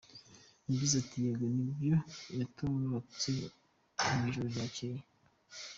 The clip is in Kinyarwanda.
Yagize ati “Yego ni byo yatorotse mu ijoro ryacyeye.